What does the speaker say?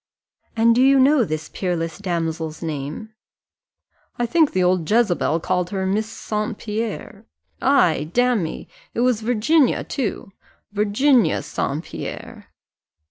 "And do you know this peerless damsel's name?" "I think the old Jezebel called her Miss St. Pierre ay, damme, it was Virginia too Virginia St. Pierre."